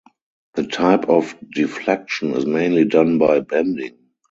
The type of deflection is mainly done by bending.